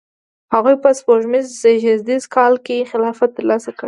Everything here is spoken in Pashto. هغوی په سپوږمیز زیږدیز کال کې خلافت ترلاسه کړ.